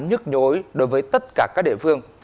nhức nhối đối với tất cả các địa phương